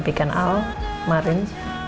bukan al marin